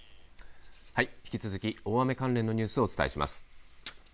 引き続き大雨関連のニュースをお伝えします。